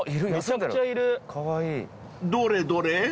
［どれどれ？］